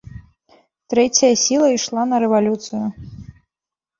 Трэцяя сіла ішла на рэвалюцыю.